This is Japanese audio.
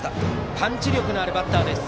パンチ力のあるバッターです。